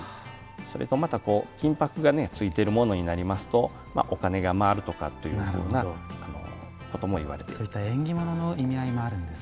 それと、また金ぱくがついているものになりますとお金が回るというようなこともいわれています。